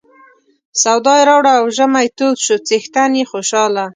سودا یې راوړه او ژمی تود شو څښتن یې خوشاله.